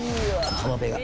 浜辺が。